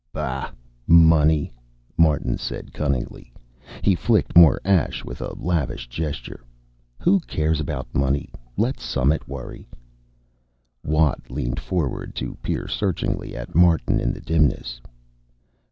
"Bah, money!" Martin said cunningly. He flicked more ash with a lavish gesture. "Who cares about money? Let Summit worry." Watt leaned forward to peer searchingly at Martin in the dimness.